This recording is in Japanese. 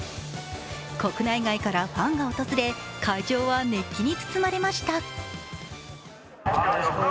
国内外からファンが訪れ会場は熱気に包まれました。